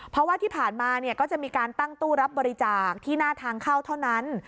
เพราะว่าที่ผ่านมาก็จะมีการตั้งตู้รับบริจาคที่หน้าทางเข้าเท่านั้น